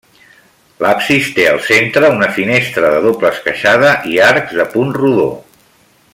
L'absis té, al centre, una finestra de doble esqueixada i arcs de punt rodó.